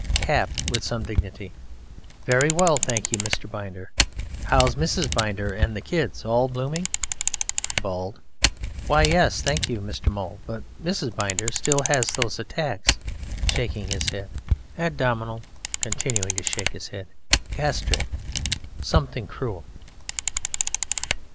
CAP (with some dignity): Very well, thank you, Mr. Binder. How, how's Mrs. Binder and the kids? All blooming? BALD: Why, yes, thank you, Mr. Mowle, but Mrs. Binder still has those attacks (shaking his head). Abdominal (continuing to shake his head). Gastric. Something cruel.